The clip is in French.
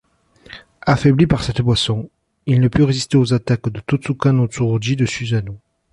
Affaibli par cette boisson, il ne put résister aux attaques de Totsuka-no-Tsurugi de Susanoo.